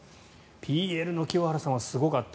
ＰＬの清原さんはすごかった。